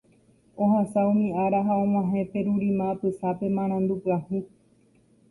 Ohasa umi ára ha og̃uahẽ Perurima apysápe marandu pyahu.